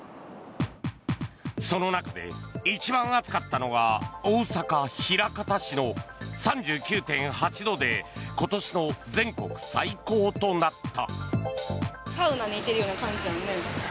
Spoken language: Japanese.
その中で一番暑かったのが大阪・枚方市の３９．８度で今年の全国最高となった。